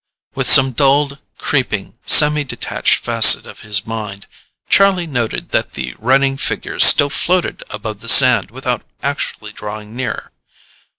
With some dulled, creeping, semi detached facet of his mind, Charlie noted that the running figures still floated above the sand without actually drawing near.